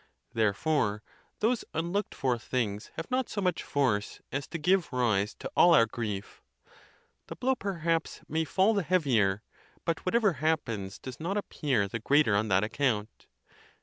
Therefore those unlooked for things have not so much force as to give rise to all our _s ON GRIEF OF MIND. 115 grief; the blow perhaps may fall the heavier, but whatever happens does not appear the greater on that account.